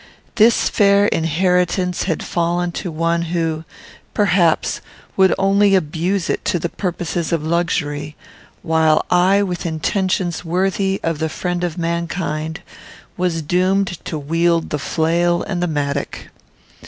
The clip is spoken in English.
This fair inheritance had fallen to one who, perhaps, would only abuse it to the purposes of luxury, while I, with intentions worthy of the friend of mankind, was doomed to wield the flail and the mattock.